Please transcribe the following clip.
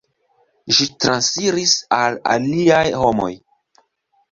Ĝi transiris al aliaj homoj.